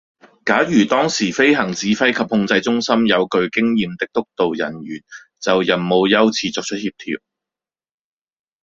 假如當時飛行指揮及控制中心有具經驗的督導人員就任務優次作出協調